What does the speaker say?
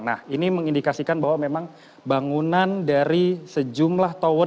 nah ini mengindikasikan bahwa memang bangunan dari sejumlah tower